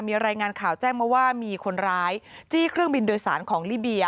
มีรายงานข่าวแจ้งมาว่ามีคนร้ายจี้เครื่องบินโดยสารของลิเบีย